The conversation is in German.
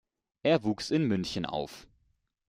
Er wuchs in München auf.